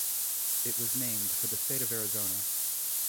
It was named for the state of Arizona.